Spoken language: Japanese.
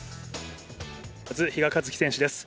まず比嘉一貴選手です。